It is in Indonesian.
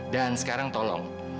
dan sekarang tolong